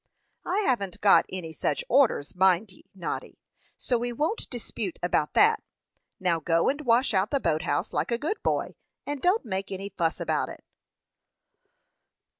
"I haven't got any such orders, mind ye, Noddy; so we won't dispute about that. Now, go and wash out the boat house like a good boy, and don't make any fuss about it."